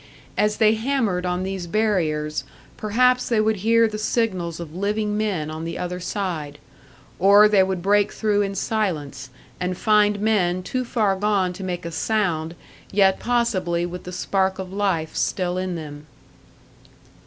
As they hammered on these barriers, perhaps they would hear the signals of living men on the other side; or they would break through in silence, and find men too far gone to make a sound, yet possibly with the spark of life still in them.